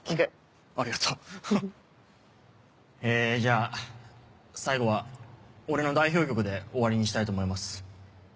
ありがとう。えじゃあ最後は俺の代表曲で終わりにしたいと思います。